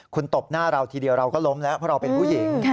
คุณตบหน้าเราทีเดียวเราก็ล้มแล้วเพราะเราเป็นผู้หญิง